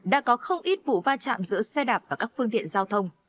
đã có không ít vụ va chạm giữa xe đạp và các phương tiện giao thông